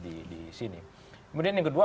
di sini kemudian yang kedua